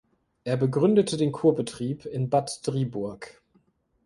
Er begründete den Kurbetrieb in Bad Driburg.